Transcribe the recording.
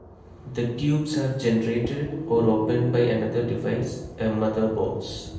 The tubes are generated or opened by another device, a Mother Box.